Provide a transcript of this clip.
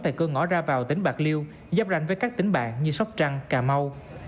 tại cơ ngõ ra vào tỉnh bạc liêu giám rãnh với các tỉnh bạn như sóc trăng cà mau